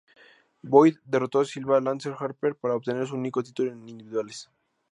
Boyd derrotó a Sylvia Lance Harper para obtener su único título en individuales.